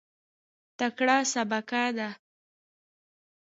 تکړه سبکه ده.